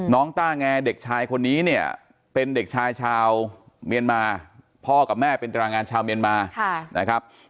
ต้าแงเด็กชายคนนี้เนี่ยเป็นเด็กชายชาวเมียนมาพ่อกับแม่เป็นตรางานชาวเมียนมานะครับ